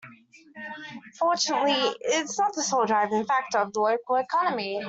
Fortunately its not the sole driving factor of the local economy.